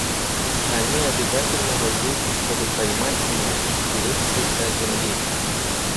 Они обязательно войдут, чтобы поймать меня и стереть с лица земли.